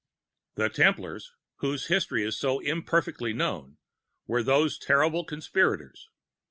"The Templars, whose history is so imperfectly known, were those terrible conspirators.